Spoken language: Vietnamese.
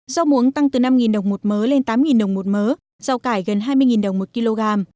rau muống tăng từ năm đồng một mớ lên tám đồng một mớ rau cải gần hai mươi đồng một kg